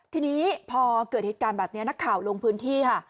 ทีนี้พอเกิดเหตุการณ์แบบนี้นักข่าวลงพื้นที่ค่ะ